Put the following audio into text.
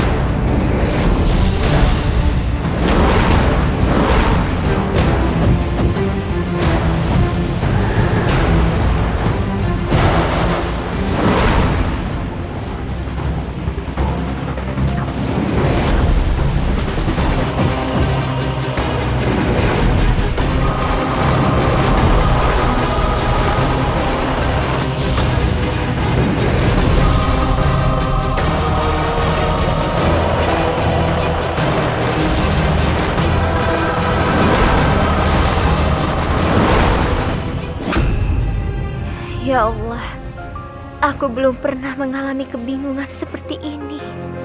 alhamdulillah aku belum pernah mengalami kebingungan seperti ini